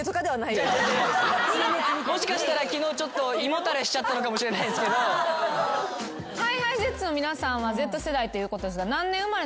もしかしたら昨日胃もたれしちゃったのかもしれないですけど。ＨｉＨｉＪｅｔｓの皆さんはＺ世代ということですが。